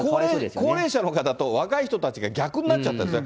高齢者の方と、若い人たちが逆になっちゃったですね。